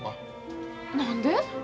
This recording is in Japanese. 何で？